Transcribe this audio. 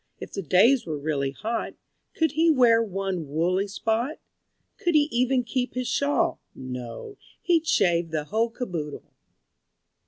If the days were really hot, Could he wear one woolly spot? Could he even keep his shawl? No, he'd shave the whole caboodle.